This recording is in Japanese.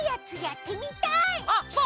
あっそう？